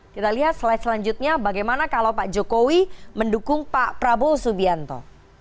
kita lihat slide selanjutnya bagaimana kalau pak jokowi mendukung pak prabowo subianto